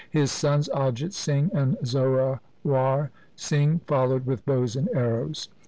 His sons Ajit Singh and Zorawar Singh followed with bows and arrows.